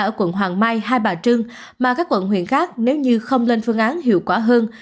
ở quận hoàng mai hai bà trưng mà các quận huyện khác nếu như không lên phương án hiệu quả hơn